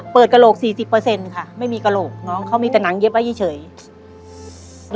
กระโหลกสี่สิบเปอร์เซ็นต์ค่ะไม่มีกระโหลกน้องเขามีแต่หนังเย็บไว้เฉย